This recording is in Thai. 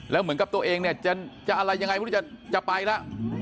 แล้วเหมือนกับตัวเองเนี่ยจะอะไรยังไงจะไปละ